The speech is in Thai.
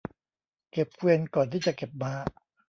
เก็บเกวียนก่อนที่จะเก็บม้า